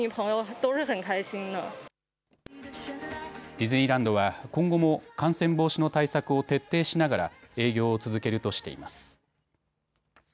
ディズニーランドは今後も感染防止の対策を徹底しながら営業を続けるとしています。